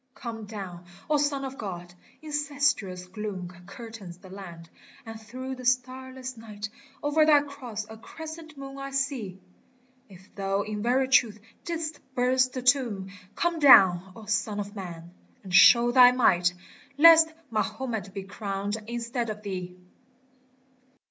Come down, O Son of God I incestuous gloom Curtains the land, and through the starless night Over thy Cross a Crescent moon I see ! If thou in very truth didst burst the tomb Come down, O Son of Man ! and show thy might, Lest Mahomet be crowned instead of thee